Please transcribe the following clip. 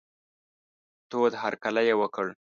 تود هرکلی یې وکړ.